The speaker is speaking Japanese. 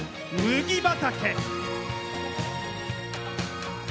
「麦畑」。